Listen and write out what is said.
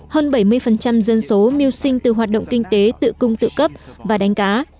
hơn bảy mươi dân số mưu sinh từ hoạt động kinh tế tự cung tự cấp và đánh cá